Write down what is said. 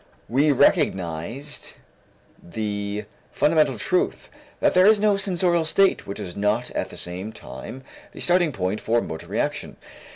We recognized the fundamental truth that there is no sensorial state which is not at the same time the starting point for motor reaction.